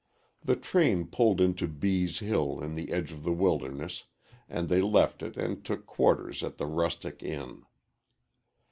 The train pulled into Bees' Hill in the edge of the wilderness, and they left it and took quarters at the Rustic Inn.